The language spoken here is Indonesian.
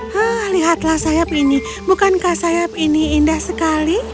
hah lihatlah sayap ini bukankah sayap ini indah sekali